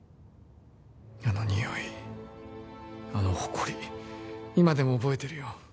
あのにおい、ホコリ、今でも覚えてるよ。